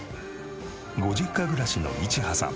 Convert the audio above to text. ご実家暮らしのいちはさん。